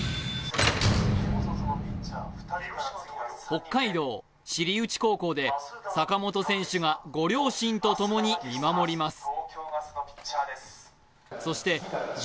北海道知内高校で坂本選手がご両親と共に見守ります。